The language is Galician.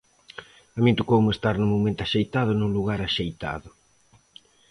A min tocoume estar no momento axeitado no lugar axeitado.